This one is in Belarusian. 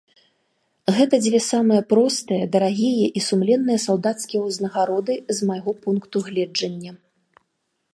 Гэта дзве самыя простыя, дарагія і сумленныя салдацкія ўзнагароды, з майго пункту гледжання.